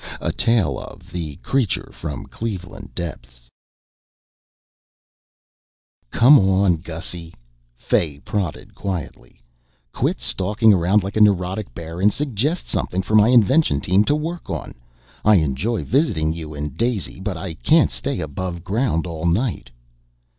a tale of THE CREATURE FROM CLEVELAND DEPTHS By FRITZ LEIBER Illustrated by WOOD "Come on, Gussy," Fay prodded quietly, "quit stalking around like a neurotic bear and suggest something for my invention team to work on. I enjoy visiting you and Daisy, but I can't stay aboveground all night."